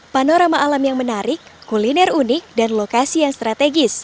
panorama alam yang menarik kuliner unik dan lokasi yang strategis